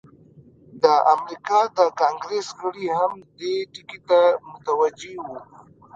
د امریکا د کانګریس غړي هم دې ټکي ته متوجه وو.